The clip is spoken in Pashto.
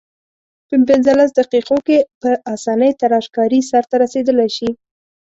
په پنځلس دقیقو کې په اسانۍ تراشکاري سرته رسیدلای شي.